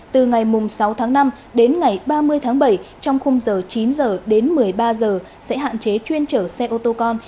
từ ngày sáu tháng năm đến ngày ba mươi tháng bảy trong khung giờ chín h đến một mươi ba giờ sẽ hạn chế chuyên chở xe ô tô con